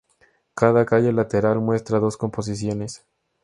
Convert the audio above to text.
Cada calle lateral muestra dos composiciones.